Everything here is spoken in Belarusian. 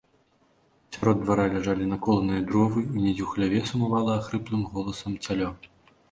Пасярод двара ляжалі наколаныя дровы, і недзе ў хляве сумавала ахрыплым голасам цялё.